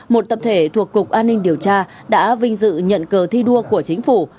một tập thể thuộc cục an ninh điều tra đã vinh dự nhận cờ thi đua của chính phủ